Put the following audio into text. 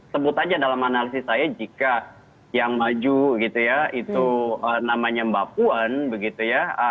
sebut aja dalam analisis saya jika yang maju gitu ya itu namanya mbak puan begitu ya